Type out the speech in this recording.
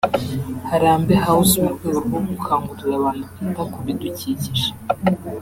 Harambe House mu rwego rwo gukangurira abantu kwita ku bidukikije